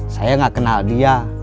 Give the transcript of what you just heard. saya gak kenal dia